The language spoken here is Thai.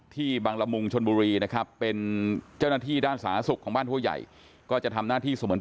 ตัวนางรุ่งพรฝ่ายภรรยาทำงานอยู่ที่สถานีอนรมน์